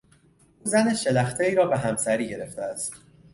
او زن شلختهای را به همسری گرفته است.